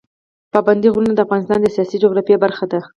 پابندی غرونه د افغانستان د سیاسي جغرافیه برخه ده.